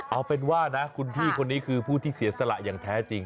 เอาเป็นว่านะคุณพี่คนนี้คือผู้ที่เสียสละอย่างแท้จริง